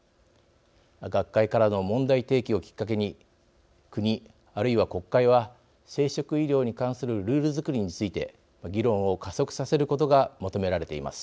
学会からの問題提起をきっかけに国、あるいは国会は生殖医療に関するルールづくりについて議論を加速させることが求められています。